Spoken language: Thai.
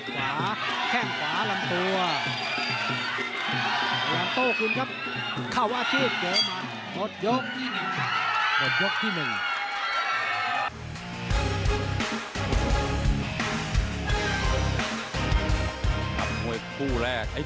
มือขวาเหมือนกัน